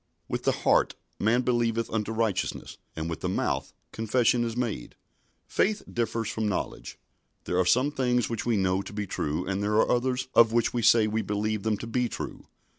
"With the heart man believeth unto righteousness; and with the mouth confession is made." Faith differs from knowledge. There are some things which we know to be true, and there are others of which we say we believe them to be true.